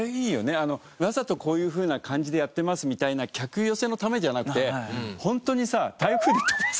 あのわざとこういうふうな感じでやってますみたいな客寄せのためじゃなくてホントにさ。